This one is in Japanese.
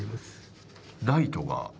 ライトが。